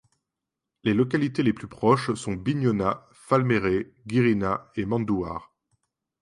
Les localités les plus proches sont Bignona, FaLméré, Guirina et Mandouar.